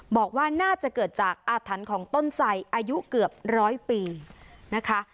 บอกว่าน่าจะเกิดจากอาถรรพ์ของต้นไสอายุเกือบร้อยปีนะคะ